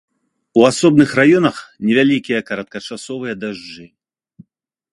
У асобных раёнах невялікія кароткачасовыя дажджы.